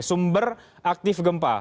sumber aktif gempa